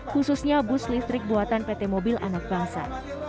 khususnya bus listrik buatan pt mobil anak bangsa